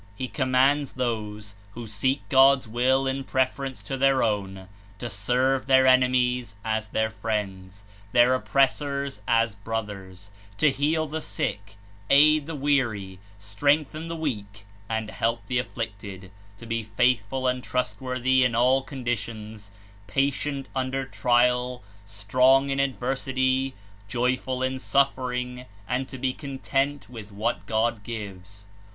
He commands those, who seek God's Will in pref erence to their own, to serve their enemies as their friends, their oppressors as brothers, to heal the sick, aid the weary, strengthen the weak and help the af flicted; to be faithful and trustworthy in all condi tions, patient under trial, strong in adversity, joyful in suffering, and to be content with what God glv^es.